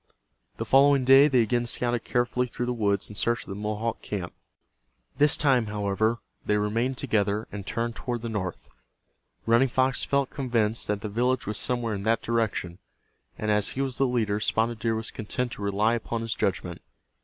The following day they again scouted carefully through the woods in search of the Mohawk camp. This time, however, they remained together and turned toward the north. Running Fox felt convinced that the village was somewhere in that direction, and as he was the leader Spotted Deer was content to rely upon his judgment.